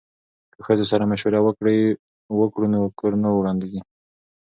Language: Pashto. که ښځو سره مشوره وکړو نو کور نه ورانیږي.